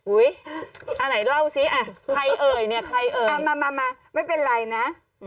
อันไหนเล่าสิใครเอ่ยเนี่ยใครเอ่ยมาไม่เป็นไรนะ